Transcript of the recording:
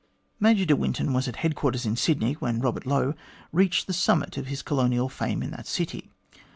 Major de Winton was at headquarters in Sydney when Kobert Lowe reached the summit of his colonial fame in that city.